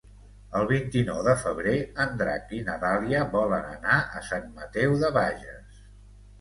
El vint-i-nou de febrer en Drac i na Dàlia volen anar a Sant Mateu de Bages.